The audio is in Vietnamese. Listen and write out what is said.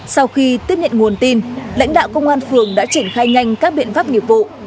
sau khi tiếp nhận nguồn tin lãnh đạo công an phường đã triển khai nhanh các biện pháp nghiệp vụ